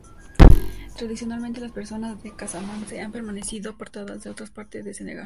Tradicionalmente, las personas de Casamance han permanecido apartadas de otras partes de Senegal.